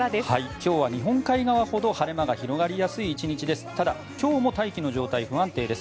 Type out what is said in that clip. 今日は日本海側ほど晴れが広がりやすい１日です。